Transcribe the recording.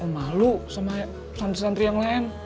malu sama santri santri yang lain